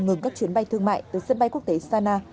ngừng các chuyến bay thương mại từ sân bay quốc tế sana